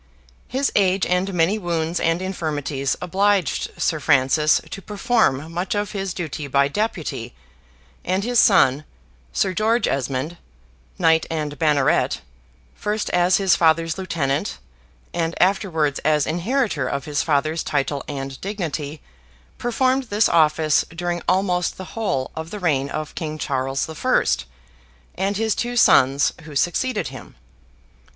His age, and many wounds and infirmities, obliged Sir Francis to perform much of his duty by deputy: and his son, Sir George Esmond, knight and banneret, first as his father's lieutenant, and afterwards as inheritor of his father's title and dignity, performed this office during almost the whole of the reign of King Charles the First, and his two sons who succeeded him.